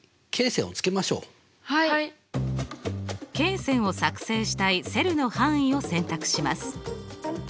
罫線を作成したいセルの範囲を選択します。